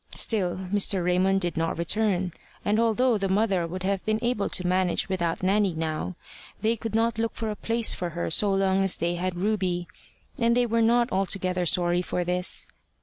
Still, Mr. Raymond did not return, and although the mother would have been able to manage without Nanny now, they could not look for a place for her so long as they had Ruby; and they were not altogether sorry for this.